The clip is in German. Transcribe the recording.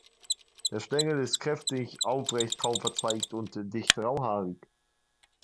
Der Stängel ist kräftig, aufrecht, kaum verzweigt und dicht rauhaarig.